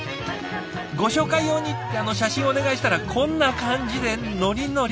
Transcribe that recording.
「ご紹介用に」って写真をお願いしたらこんな感じでノリノリ。